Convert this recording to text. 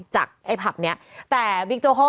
จากไอ้ผับนี้แต่วิทย์โจฮ่า